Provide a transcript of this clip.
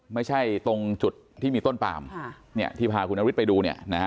ไม่ใช่ตรงจุดที่มีต้นปามที่พาคุณอาวิทย์ไปดู